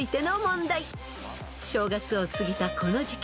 ［正月を過ぎたこの時期］